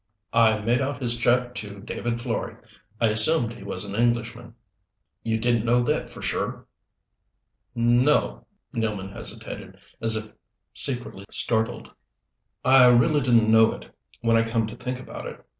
"I made out his check to David Florey. I assumed he was an Englishman." "You didn't know that, for sure?" "No." Nealman hesitated, as if secretly startled. "I really didn't know it, when I come to think about it.